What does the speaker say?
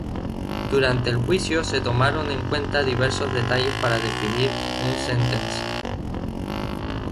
Durante el juicio, se tomaron en cuenta diversos detalles para definir un sentencia.